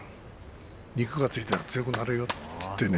肉がついたら強くなるよと言ってね。